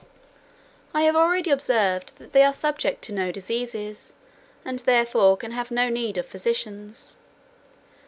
I have already observed that they are subject to no diseases, and therefore can have no need of physicians.